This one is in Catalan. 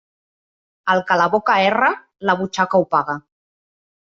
El que la boca erra, la butxaca ho paga.